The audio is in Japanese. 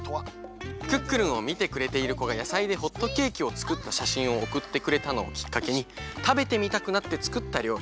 「クックルン」をみてくれているこがやさいでホットケーキをつくったしゃしんをおくってくれたのをきっかけにたべてみたくなってつくったりょうり。